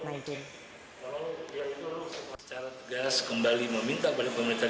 secara tegas kembali meminta kepada pemerintah dpr